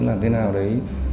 làm thế nào đấy